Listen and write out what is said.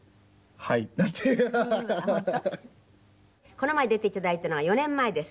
この前出ていただいたのは４年前です。